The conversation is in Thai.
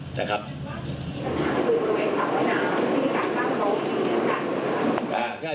คำถามโอเคครับ